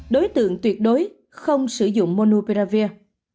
đối tượng tuyệt đối không sử dụng monopiravir